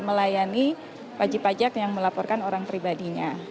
dan henti melayani wajib pajak yang melaporkan orang pribadinya